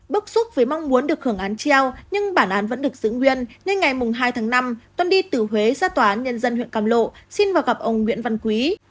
bức xúc với mong muốn được hưởng án treo nhưng bản án vẫn được giữ nguyên nên ngày hai tháng năm tuân đi từ huế ra tòa án nhân dân huyện cam lộ xin vào gặp ông nguyễn văn quý